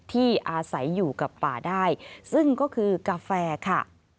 ที่อาศัยอยู่กับป่าได้ซึ่งก็คือกาแฟค่ะ